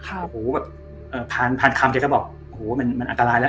โอ้โหผ่านคำแกก็บอกโอ้โหมันอันตรายแล้ว